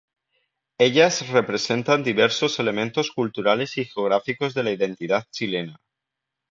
Ellas representan diversos elementos culturales y geográficos de la identidad chilena.